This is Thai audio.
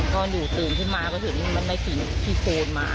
นอนอยู่ตื่นที่มาก็ถึงไม่ได้กินที่โทนมา